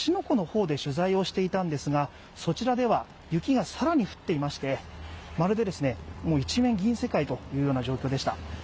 湖の方で取材をしていたんですが、そちらでは、雪が更に降っていまして、まるで一面銀世界という状況でした。